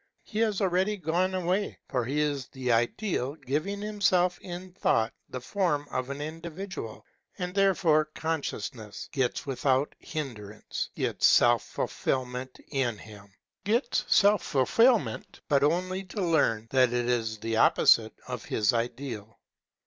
He has already gone away ; for he is the Ideal giving himself in thought the form PHENOMENOLOGY OF THE SPIRIT 621 of an individual and therefore consciousness gets without hin drance its self fulfilment in him, — gets self fulfilment, but only to learn that it is the very opposite of this Ideal.